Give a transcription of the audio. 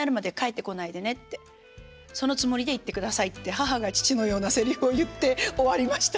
「そのつもりで行ってください」って母が父のようなセリフを言って終わりました。